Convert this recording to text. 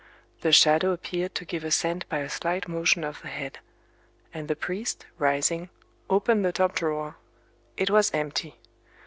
The shadow appeared to give assent by a slight motion of the head; and the priest, rising, opened the top drawer. It was empty.